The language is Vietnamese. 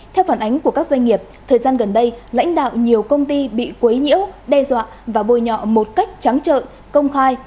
theo phản ánh của các doanh nghiệp thời gian gần đây lãnh đạo nhiều công ty bị quấy nhiễu đe dọa và bôi nhọ một cách trắng trợi công khai